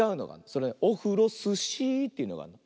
「オフロスシー」っていうのがあるの。